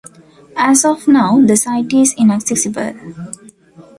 As of now, the site is inaccessible.